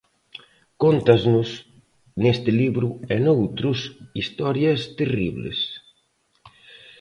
Cóntasnos, neste libro e noutros, historias terribles.